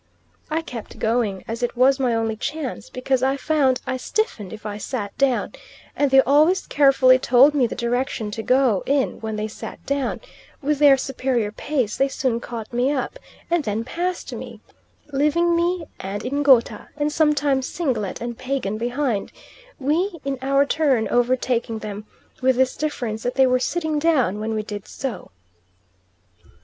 I kept going, as it was my only chance, because I found I stiffened if I sat down, and they always carefully told me the direction to go in when they sat down; with their superior pace they soon caught me up, and then passed me, leaving me and Ngouta and sometimes Singlet and Pagan behind, we, in our turn, overtaking them, with this difference that they were sitting down when we did so.